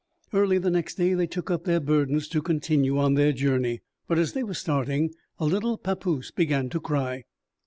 Early the next day they took up their burdens to continue on their journey. But as they were starting a little papoose began to cry.